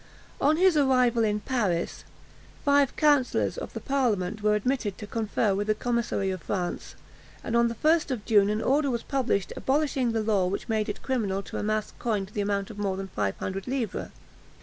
On his arrival in Paris, five counsellors of the parliament were admitted to confer with the Commissary of Finance; and on the 1st of June an order was published abolishing the law which made it criminal to amass coin to the amount of more than five hundred livres.